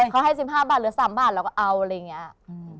เขาให้๑๕บาทหรือ๓บาทเราก็เอาอะไรอย่างนี้